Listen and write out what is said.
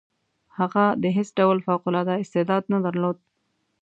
هغه د هیڅ ډول فوق العاده استعداد نه درلود.